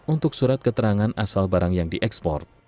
untuk surat keterangan asal barang yang diekspor